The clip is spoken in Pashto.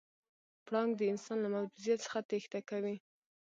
پړانګ د انسان له موجودیت څخه تېښته کوي.